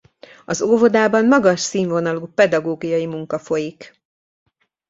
Az óvodában magas színvonalú pedagógiai munka folyik.